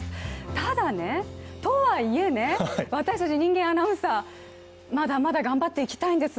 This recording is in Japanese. ただ、とはいえ、私たち人間アナウンサーまだまだ頑張っていきたいんです。